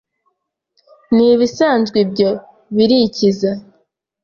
Ni ibisanzwe ibyo. Birikiza,